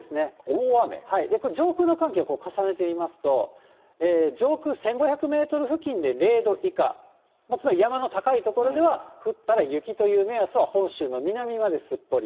上空の寒気を重ねてみますと、上空１５００メートル付近で０度以下、つまり山の高い所では、降ったら雪という目安は、本州の南まですっぽり。